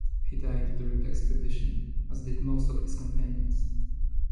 He died during the expedition, as did most of his companions.